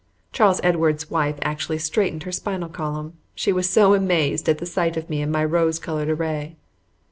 Charles Edward's wife actually straightened her spinal column, she was so amazed at the sight of me in my rose colored array.